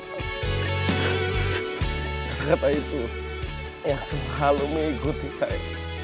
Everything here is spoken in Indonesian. kata kata itu yang selalu mengikuti saya